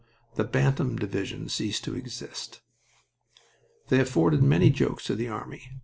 The Bantam Division ceased to exist. They afforded many jokes to the army.